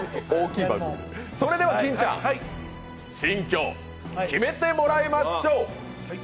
それでは金ちゃん、新居を決めてもらいましょう。